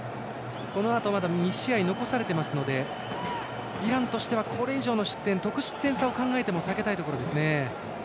このあと、２試合まだ残されていますのでイランとしてはこれ以上の失点は得失点差を考えても避けたいところですね。